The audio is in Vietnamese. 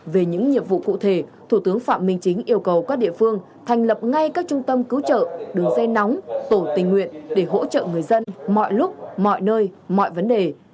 về những nhiệm vụ cụ thể thủ tướng phạm minh chính yêu cầu các địa phương thành lập ngay các trung tâm cứu trợ đường dây nóng tổ tình nguyện để hỗ trợ người dân mọi lúc mọi nơi mọi vấn đề